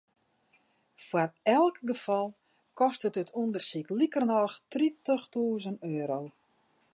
Foar elk gefal kostet it ûndersyk likernôch tritichtûzen euro.